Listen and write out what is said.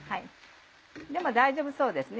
でも大丈夫そうですね